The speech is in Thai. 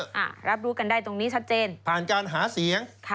ผ่านการหาเสียง